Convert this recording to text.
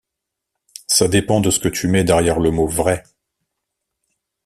Ça dépend de ce que tu mets derrière le mot « vrai ».